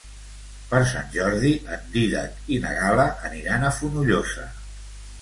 Per Sant Jordi en Dídac i na Gal·la aniran a Fonollosa.